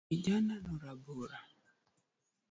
Kijanano rabora.